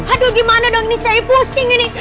aduh gimana dong ini saya pusing ini